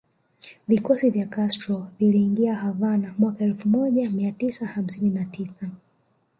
Vikosi vya Castro viliingia Havana mwaka elfu moja mia tisa hamsini na tisa